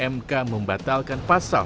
mk membatalkan pasal